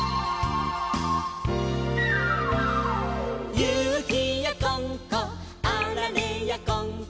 「ゆきやこんこあられやこんこ」